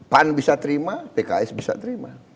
pan bisa terima pks bisa terima